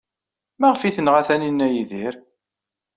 Maɣef ay tenɣa Taninna Yidir?